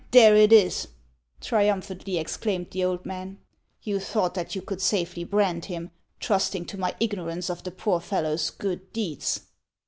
" There it is !" triumphantly exclaimed the old man. " You thought that you could safely brand him, trusting to my ignorance of the poor fellow's good deeds